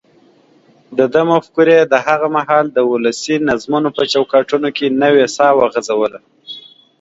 دده مفکورې د هغه مهال د ولسي نظمونو په چوکاټونو کې نوې ساه وغځوله.